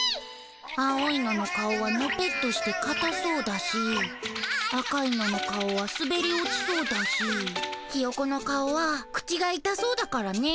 青いのの顔はのぺっとしてかたそうだし赤いのの顔はすべり落ちそうだしヒヨコの顔は口がいたそうだからね。